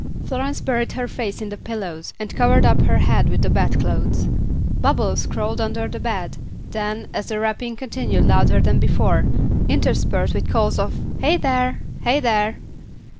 Florence buried her face in the pillows and covered up her head with the bed clothes; Bubbles crawled under the bed, then, as the rapping continued louder than before, interspersed with calls of "Hey, there! Hey, there!"